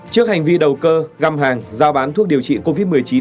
trước hành vi đầu cơ găm hàng giao bán thuốc điều trị covid một mươi chín